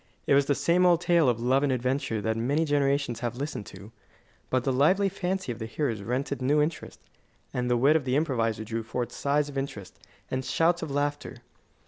It was the same old tale of love and adventure that many generations have listened to; but the lively fancy of the hearers rent it new interest, and the wit of the improviser drew forth sighs of interest and shouts of laughter.